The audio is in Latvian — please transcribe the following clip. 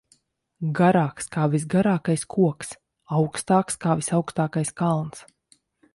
Garāks kā visgarākais koks, augstāks kā visaugstākais kalns.